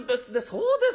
そうですか。